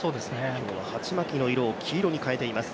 今日は鉢巻きの色を黄色に変えています。